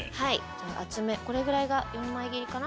厚めこれぐらいが４枚切りかな？